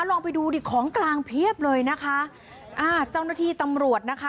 ลองไปดูดิของกลางเพียบเลยนะคะอ่าเจ้าหน้าที่ตำรวจนะคะ